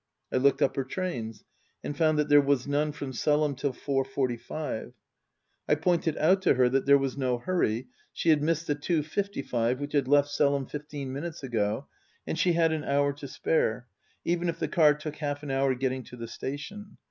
I looked up her trains and found that there was none from Selham till four forty five. I pointed out to her that there was no hurry ; she had missed the two fifty five, which had left Selham fifteen minutes ago, and she had an hour to spare, even if the car took half an hour getting to the station.